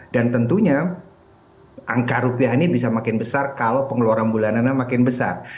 dan tentunya angka rupiah ini bisa makin besar kalau pengeluaran bulanannya makin besar